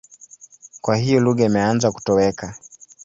Kwa hiyo lugha imeanza kutoweka.